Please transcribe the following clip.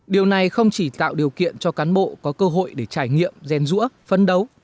điều này không chỉ tạo điều kiện cho cán bộ có cơ hội để trải nghiệm ghen rũa phấn đấu